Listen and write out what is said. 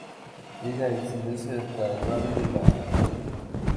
Llega a extenderse hasta el barrio de La Cartuja.